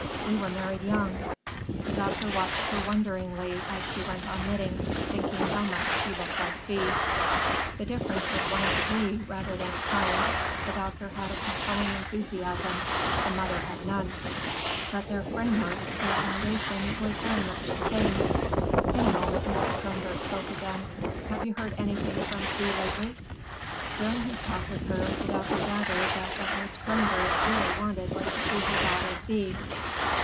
We were married young." The doctor watched her wonderingly as she went on knitting, thinking how much she looked like Thea. The difference was one of degree rather than of kind. The daughter had a compelling enthusiasm, the mother had none. But their framework, their foundation, was very much the same. In a moment Mrs. Kronborg spoke again. "Have you heard anything from Thea lately?" During his talk with her, the doctor gathered that what Mrs. Kronborg really wanted was to see her daughter Thea.